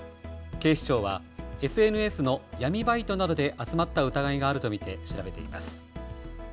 警視庁はＳＮＳの闇バイトなどで集まった疑いがあると見て調べています。